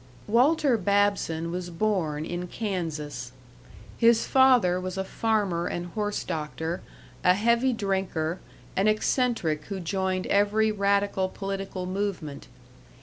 Walter Babson was born in Kansas. His father was a farmer and horse doctor, a heavy drinker, an eccentric who joined every radical political movement.